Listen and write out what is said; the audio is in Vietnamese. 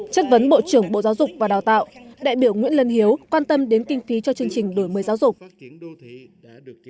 chất vấn bộ trưởng bộ giáo dục và đào tạo đại biểu nguyễn lân hiếu quan tâm đến kinh phí cho chương trình đổi mới giáo dục